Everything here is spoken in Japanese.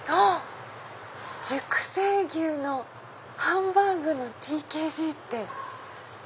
熟成牛のハンバーグのＴＫＧ」って。